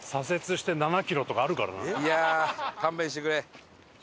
いや勘弁してくれ。